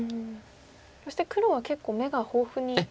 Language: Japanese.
そして黒は結構眼が豊富に。